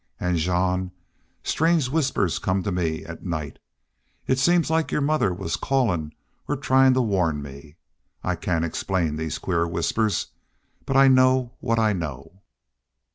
"An', Jean, strange whispers come to me at night. It seems like your mother was callin' or tryin' to warn me. I cain't explain these queer whispers. But I know what I know."